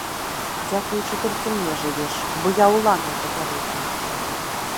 Дзякуючы толькі мне жывеш, бо я уланаў папярэдзіў!